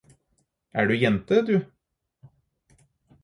Er du jente, du?